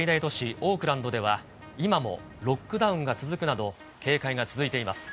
オークランドでは、今もロックダウンが続くなど、警戒が続いています。